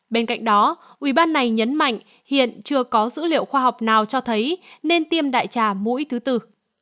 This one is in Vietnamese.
bên cạnh đó ủy ban này nhấn mạnh hiện chưa có dữ liệu khoa học nào cho thấy nên tiêm đại tra mũi thứ tư